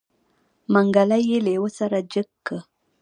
منګلی يې لېوه سره جګ که.